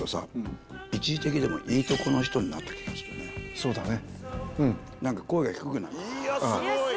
そうだね。